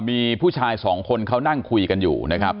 มีผู้ชายสองคนเขานั่งคุยกันอยู่นะครับ